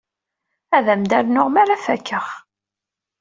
Ad am-d-aruɣ mi ara fakeɣ.